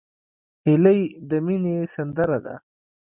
هیلۍ د مینې سندره ده